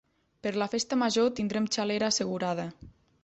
Per la festa major tindrem xalera assegurada.